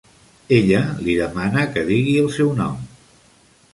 Ella li demana que "digui el seu nom".